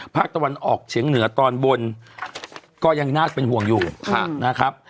ภาคตะวันออกเฉียงเหนือตอนบนก็ยังน่าเป็นห่วงอยู่นะครับ